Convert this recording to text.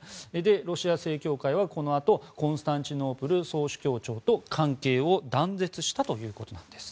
ロシア正教会はこのあとコンスタンチノープル総主教庁と関係を断絶したということなんです。